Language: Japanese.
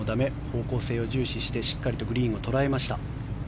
方向性を重視して、しっかりとグリーンを捉えました。